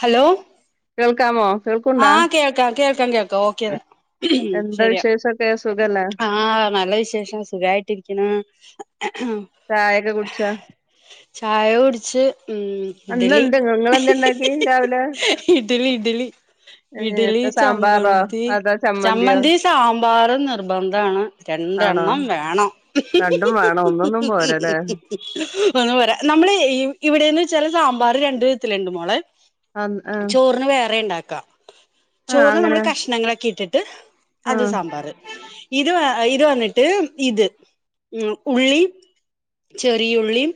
Hello കേൾക്കാമോ കേൾക്കുണ്ടാ ആഹ് കേൾക്കാം കേൾക്കാം കേൾക്കാം ഓക്കെ എന്താ ശരിയാ വിശേഷൊക്കെ? സുഖം അല്ലേ? ആഹ് നല്ല വിശേഷം സുഖായിട്ടിരിക്കുന്നു ചായൊക്കെ കുടിച്ച ചായ കുടിച്ച് ഉമ് അന്ന് ഇഡലി എന്ത് നിങ്ങളെന്ത ഉണ്ടാക്കി രാവിലെ ഇഡലി ഇഡ്ലി ഏ, ഇഡ്ലി എന്താ സാമ്പാറോ ചമ്മന്തി അതോ ചമ്മന്തിയോ ചമ്മന്തി സാമ്പാറ് നിർബന്ധണ് ആണോ രണ്ടെണ്ണം വേണം രണ്ടും വേണം ഒന്നൊന്നും പോരല്ലേ ഒന്ന് പറ നമ്മള് ഇവിടെന്ന് വെച്ചാല് സാമ്പാർ രണ്ടു വിധത്തിലുണ്ട് മോളെ ആ ചോറിന് വേറെണ്ടാക്കാ ആ ചോറിന് നമ്മള് അങ്ങനെ കഷ്ണങ്ങളൊക്കെ ഇട്ടിട്ട് ആ അത് സാമ്പാറ് ഇത് വ ഇത് വന്നിട്ട് ഇത് ഉള്ളി ചെറിയുള്ളീം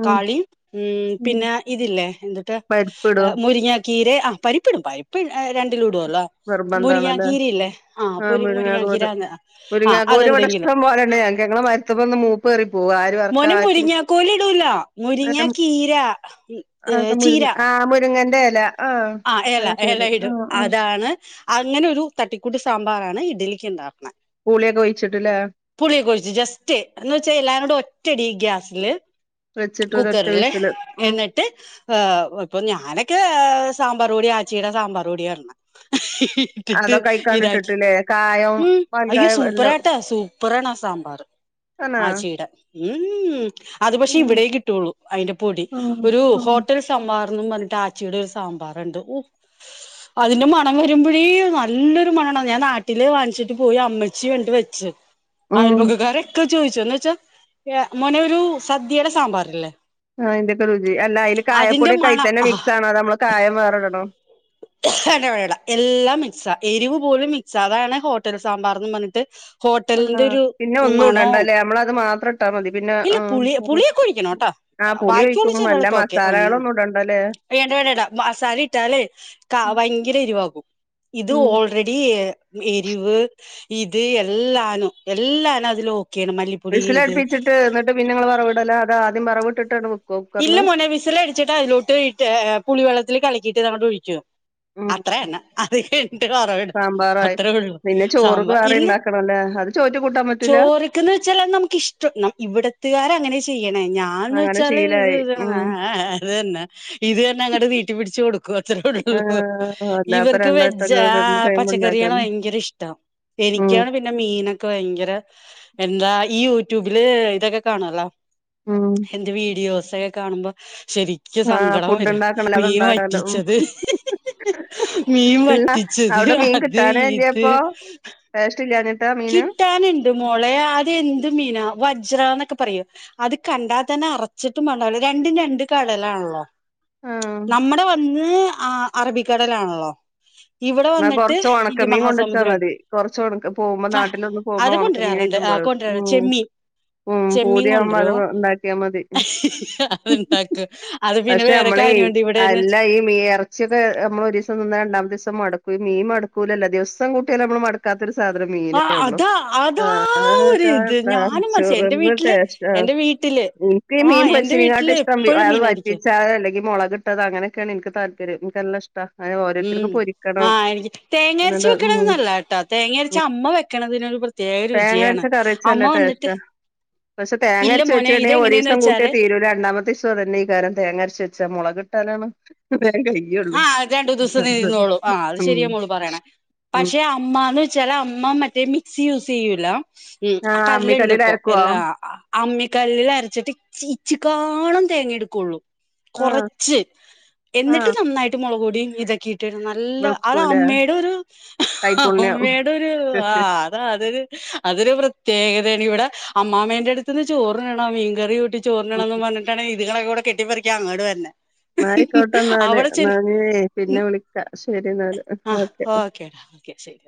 ഉം ഉം പിന്നെ ഇതില്ലേ എന്തുട്ട പരിപ്പിടോ മുരിങ്ങ കീരെ ആഹ് പരിപ്പിടും പരിപ്പ് രണ്ടിലും ഇടുല്ലോ നിർബന്ധാണല്ലേ മുരിങ്ങങ്കീര ല്ലേ ആ അപ്പൊ മുരിങ്ങാക്കോല് മുരിങ്ങങ്കീരന്ന് ആഹ് അതെന്തെങ്കിലും ഞങ്ങള് മരുത്തമ്മന്ന് മൂപ്പെറി പോവാ മോനേ മുരിങ്ങക്കോലിടൂല മുരിങ്ങ കീര ഏഹ് ചീര ആഹ് മുരുങ്ങന്റെ ഇല ആഹ് എല എല ഇടും അതാണ് അങ്ങനെ ഒരു തട്ടിക്കൂട്ട് സാമ്പാറാണ് ഇഡലിക്ക് ഉണ്ടാക്കണേ പുളിയൊക്കോഴിച്ചിട്ടില്ലേ പുളി ഒകൊഴിച്ച് ജസ്റ്റ് എന്ന് വെച്ചാ എല്ല കൂടെ ഒറ്റടി ഗ്യാസില് വെച്ചിട്ട് ഒരൊറ്റ കുക്കറില് വിസില് ഉം എന്നിട്ട് ഇപ്പൊ ഞാനൊക്കെ സ് സമ്പറുപൊടി ആച്ചീട സമ്പറുപൊടിയിടണേ ഇട്ടിട്ട് അതൊക്കെ ഇതാക്കി അയിക്കാണ്ടിട്ടിട്ടില്ലേ കായം ഉംമ് അയ്യോ പാൽക്കായം എല്ലാം സൂപ്പറാട്ടാ സൂപ്പറാണാ സാമ്പാർ തന്നെ ആചീടെ ഉം അത് പക്ഷേ ഇവിടെ കിട്ടുള്ളൂ അതിന്റെ പൊടി ഒരു ഹോട്ടൽ സ സാമ്പാർന്നും പറഞ്ഞിട്ട് ആച്ചിടെ ഒരു സാമ്പാറണ്ട് ഓഹ് അതിന്റെ മണം വരുമ്പോഴേ നല്ലൊരു മണണ ഞാൻ നാട്ടില് വാങ്ങിച്ചിട്ട് പോയി അമ്മച്ചി വേണ്ടി വെച്ച ച്ച് ഉം ആയൽബക്കക്കാരൊക്കെ ചോദിച്ചു എന്ന് വെച്ചാ മോനെ ഒരു സദ്യയുടെ സാമ്പാറില്ലേ ആഹ് അയ്ന്റെക്കെ രുചി അല്ല അതില് അതിന്റെ മണം കായപ്പൊടിക്കായിതന്നെ ആ മിക്സ് ആണോ നമ്മള് കായം വേറടണോ വേണ്ട വേണ്ട എല്ലാം മിക്സ എരിവ് പോലും മിക്സ അതാണ് ഹോട്ടൽ സാമ്പാർന്ന് പറഞ്ഞിട്ട് ആഹ് ഹോട്ടലിന്റെ ഒരു പിന്നെ ഒന്നും മണവും ഇടണ്ടല്ലേ നമ്മളത് മാത്രം ഇട്ടാ മതി പിന്നെ ഇല്ല ആഹ് പുളി പുളിയൊക്കെ ഒഴിക്കണം കേട്ടോ [unintelligible] ആഹ് പുളി ബാക്കിയുള്ള ഒഴിക്കും നല്ല ചേരുവകളൊക്കെ ഓക്കെ ഉം മസാലകളൊന്നും ഇടണ്ടല്ലെ വേണ്ട വേണ്ടണ്ടാ മസാല ഇട്ടാലേ ക ഭയങ്കര ഇരിവാകും ഇത് ഉം ഓൾ റെടി എരിവ് ഇത് എല്ലാന്നും എല്ലാന്നും അതിൽ ഓക്കെയാണ് മല്ലിപ്പ വിസ്സിലടുപ്പിച്ചിട്ട് എന്നിട്ട് പിന്നെ നിങ്ങള് വറവ്ടല അതോ ആദ്യം വറവിട്ടിട്ടാണ്ട് വെ ഇല്ല മൊനെ വിസലടിച്ചിട്ട് അതിലോട്ട് ഇട്ട് പുളിവെള്ളത്തില് കലക്കിട്ട് അതങ്ങട്ട് ഒഴിക്കു ഉം അത്രന്നേ അത് കയ്ഞ്ഞിട്ട് വറവിട സാമ്പാറായി അത്രേ ഉള്ളൂ സാമ്പാ ഇല്ല ചോറ്റു കൂട്ട ചോറിക്കന്ന് വെച്ചാല നമുക്ക് ഇഷ്ടം ഇവിടത്തുകാര അങ്ങനെ ചെയ്യണേ ഞാൻ ന്ന് അങ്ങനെ വെച്ചാല് ശീലായി. ഇത് ഉം. ആഹ് ആഹ് അത് തന്നെ ഇത് തന്നെ അങ്ങട്ട് നീട്ടി പിടിച് കൊടുക്ക വച്ചുകൊടുക്കുള്ളൂ ആഹ് അല്ലാപ്പൊ ഇവർക്ക് രണ്ടുവട്ടൊക്കെ വെജ് ആ രണ്ട് ടൈം പച്ചക്കറിയള് ഉണ്ടാക്കാന്ന്. ഭയങ്കര ഇഷ്ടം എനിക്കാ ഉം. പി ന്നെ മീനൊക്കെ ഭയങ്കര എന്താ ഈ യൂട്യൂബില് ഇതൊക്കെ കാണുവല്ലോ ഉം ന്റെ വീഡിയോസെ ക്കെ കാണുമ്പോ ശെ ക്ക് ആഹ് സങ്കടം ഫുഡ് വരും ഉണ്ടാക്കണല്ലോ മീ അതുണ്ടാക്കാലോ. ഉം. വറ്റിച്ചത് മീൻ അല്ല വറ്റിച്ചത് അവിടെ അത് ഇത് വേസ്റ്റ് ഇില്ലന്നിട്ട് കിട്ടാനുണ്ട് മോളെ അത് എന്ത് മീനാ വജ്രാന്നൊക്കെ പറയും അത് കണ്ടാതന്നെ അറച്ചിട്ടും വേണല്ലോ രണ്ടും രണ്ട് കടലാണല്ലോ ആഹ്. നമ്മടെ വന്ന് അറബിക്കടലാണല്ലോ ഇവിടെ വന്നിട്ട് ഇന്ത്യൻ മഹാസമുദ്രമാ കൊറച്ച ഉണക്ക് പോകുമ്പോ നാട്ടിലൊന്ന് പോകുമ്പോ ഉണക്ക കൊണ്ടുവരാറുണ്ട് മീനായിട്ടും ആ പോയത് കൊണ്ടുവരാ ഉം. ചെമ്മീൻ ഉം ചെമ്മീൻ പൂതിവുമ്പം അത് കൊണ്ടുവരും ഉണ്ടാക്കിയാ മതി. അത്ണ്ടാക്കും അത് പിന്നെ പക്ഷെ വേറെ നമ്മളേ കാര്യമുണ്ട് ഇവിടെന്ന് വെച്ച എല്ലാം ഈ ഇറച്ചിയൊക്കെ നമ്മളൊ ഒരു ദിവസം നിന്ന് രണ്ടാമത്തെ ദിവസം മട്ക് മീൻ മടുക്കൂലല്ല ദിവസം കുട്ടിയെ നമ്മള് മടക്കാത്തരു സാധനം മീന ആ ഉള്ളു അതാ അതാ ആഹ് ഒരു ഇത് [unintelligible] ഞാനും മനസ്സി എന്റെ ചോറിന്നാൻ വീട്ടില് ടേസ്റ്റാ എന്റെ വീട്ടില് ആ കമീം എന്റെ പൊരിച്ചിനേകാട്ടീം വീട്ടില് ഇഷ്ടം എപ്പോഴും അത് മീനായിരിക്കും വറ്റിച്ചാ അല്ലങ്കിൽ മുളകിട്ട ട്ട അങ്ങനൊക്കെയാണ് എനിക്ക് തല്പര്യം എനിക്ക്ല്ല ഇഷ്ട അ ഉം ഓരരുത്തർക്കും പൊരി ആഹ് എനിക്ക് തേങ്ങ അരച്ച വെക്കണ നല്ലട്ടോ തേങ്ങരച്ച അമ്മ വെക്കണതിനൊരു പ്രത് തേങ്ങരച്ച കറിച്ചല്ല ടേസ്റ്റ് പക്ഷെ ഇല്ല തേങ്ങരച്ചച്ച് മോനെ വെച്ചിണ്ടെൽ ഒരു ഇതെങ്ങനെയാന്ന് ദിവസം കൂട്ടിയ വെച്ചാല് തീ തിരൂ രണ്ടാമത്തീസോം തന്നെ ഈ കാര്ം തേങ്ങരച്ച വെച്ചാ മുള കിട്ടാനാണ് വ കൈ ഉള്ളൂ [unintelligible] ആ അത് ശരിയാ മൊ പറണേ പക്ഷെ അമ്മന്ന് വെച്ചാല് അമ്മ മറ്റേ മിക്സി യൂസ് ചെയ്യൂല ഉം ആ ആഹ് കല്ലുണ്ട് അമ്മിക്കല്ലിൽ ഇപ്പോ അരക്കുവോ? എല്ലാ അമ്മിക്കല്ലിൽ അരച്ചിട്ട് ഇച്ച കാളും തേങ്ങ എടുക്കുള്ളൂ ആഹ് കൊറച്ച് എന്നിട്ട് ആഹ് നന്നായിട്ട് മുളക്കൊടിയും ഇതൊക്കെയി ട്ട് നല്ല അത് വെക്കൂലേ അമ്മയുടെ ഒരു അമ്മയുടെ ഒരു കൈപുണ്യം. ആഹ്.. അത അതൊരു അതൊരു പ്രത്യേകതയാണ് ഇവിടെ അമ്മാമേന്റെ അടുത്തന്ന് ചോറിനണ മീൻകറികൂ ട്ട ചോറിണണംന്ന് പറഞ്ഞിട്ടാണ് ഇത്ങ്ങളെ കൂടെ കെട്ടിപ്പറിക്കാ അങ്ങോട് വരുന്നേ ആയിക്കോട്ടേ ന്നാല് നാനേ പിന്നെ വിളിക്ക ശരി എന്നാല് ഓക്കെ. ക്കെ ശരി